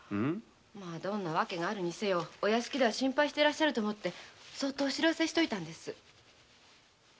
どんな訳があるにせよお屋敷では心配してらっしゃると思ってそっとお報せしといたんです。